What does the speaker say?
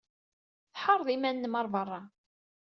Tḥeṛṛed iman-nnem ɣer beṛṛa.